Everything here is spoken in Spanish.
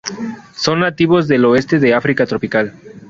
Son nativos del oeste del África tropical.